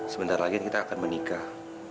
sebentar lagi kita akan menikah